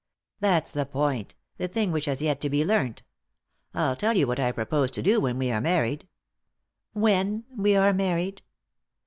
"That's the point, the thing which has yet to be learnt I'll tell you what I propose to do when we are married." " When we are married."